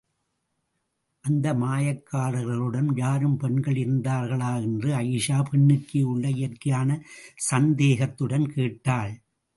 அந்த மாயக்காரர்களுடன் யாரும் பெண்கள் இருந்தார்களா? என்று அயீஷா, பெண்ணுக்கே உள்ள இயற்கையான சந்தேகத்துடன் கேட்டாள்.